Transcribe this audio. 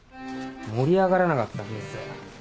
盛り上がらなかったんです。